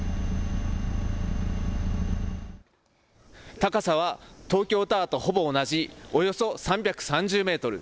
高さは東京タワーとほぼ同じおよそ３３０メートル。